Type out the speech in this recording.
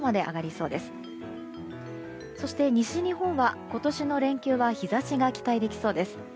そして、西日本は今年の連休は日差しが期待できそうです。